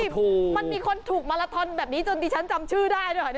มันมีคนถูกมาราทอนแบบนี้จนที่ฉันจำชื่อได้